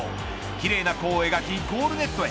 きれいな弧を描きゴールネットへ。